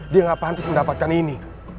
dia nggak pantas mendapatkan ini